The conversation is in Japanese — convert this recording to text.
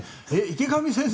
池上先生